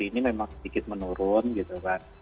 ini memang sedikit menurun gitu kan